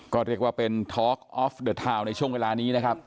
ก็เรียกว่าเป็นทาล์คออฟด่วนในช่วงเวลานี้นะค่ะ